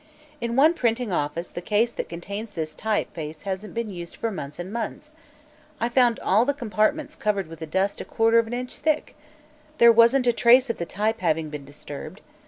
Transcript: "In one printing office the case that contains this type face hasn't been used for months and months. I found all the compartments covered with dust a quarter of an inch thick. There wasn't a trace of the type having been disturbed.